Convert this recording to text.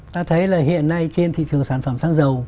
ta thấy là hiện nay trên thị trường sản phẩm xăng dầu